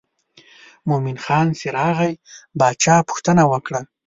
مومن خان چې راغی باچا پوښتنه وکړه.